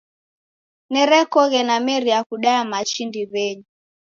Nerekoghe nameria kudaya machi ndiw'enyi.